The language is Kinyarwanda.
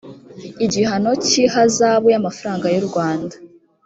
igihano cy ihazabu y amafaranga y urwanda